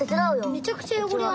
めちゃくちゃよごれあるよ。